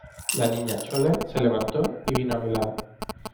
la Niña Chole se levantó y vino a mi lado.